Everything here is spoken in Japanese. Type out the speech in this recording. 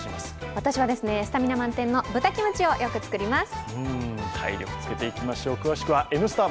私はスタミナ満点の豚キムチをよく作ります。